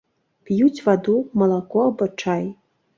П'юць ваду, малако або чай.